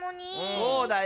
そうだよ。